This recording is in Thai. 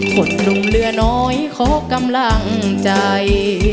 คนลุงเลือน้อยขอกำลังใจ